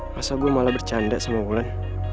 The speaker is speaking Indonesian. masa gue malah bercanda sama gue